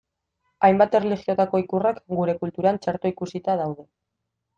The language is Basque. Hainbat erlijiotako ikurrak gure kulturan txarto ikusita daude.